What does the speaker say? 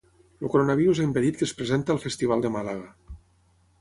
El coronavirus ha impedit que es presenti al Festival de Màlaga.